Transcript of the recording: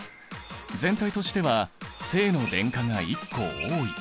全体としては正の電荷が１個多い。